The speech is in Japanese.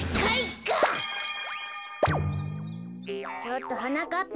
ちょっとはなかっ